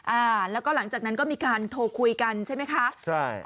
อ่าแล้วก็หลังจากนั้นก็มีการโทรคุยกันใช่ไหมคะใช่